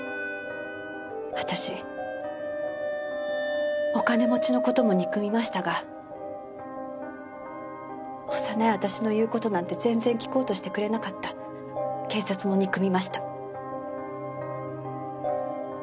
私お金持ちの事も憎みましたが幼い私の言う事なんて全然聞こうとしてくれなかった警察も憎みました。